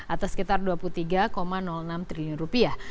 atau sekitar dua puluh tiga enam triliun rupiah